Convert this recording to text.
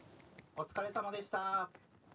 お疲れさまでした。